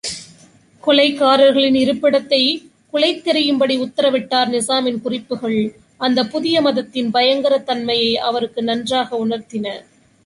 கொலைகாரர்களின் இருப்பிடத்தைக் குலைத்தெறியும்படி உத்தரவிட்டார் நிசாமின் குறிப்புகள் அந்தப் புதிய மதத்தின் பயங்கரத் தன்மையை அவருக்கு நன்றாக உணர்த்தின.